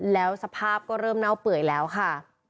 แล้วสภาพก็เริ่มเน่าเปื่อยแล้วค่ะ